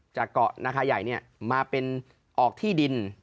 จากเกาะนาคาใหญ่มาเป็นออกที่ดิน